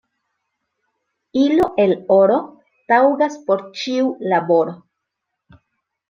Ilo el oro taŭgas por ĉiu laboro.